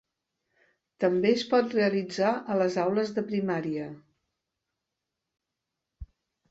També es pot realitzar a les aules de primària.